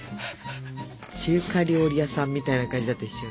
中華料理屋さんみたいな感じだったでしょ。